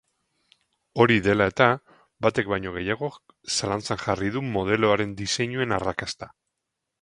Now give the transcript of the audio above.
Hori dela eta, batek baino gehiagok zalantzan jarri du modeloaren diseinuen arrakasta.